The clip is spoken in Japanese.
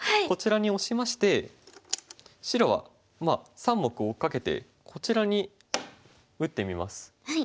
こちらにオシまして白は３目を追っかけてこちらに打ってみます。